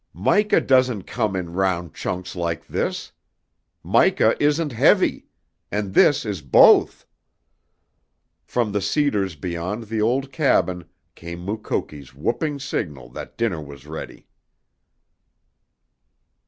"Mica doesn't come in round chunks like this. Mica isn't heavy. And this is both!" From the cedars beyond the old cabin came Mukoki's whooping signal that dinner was ready.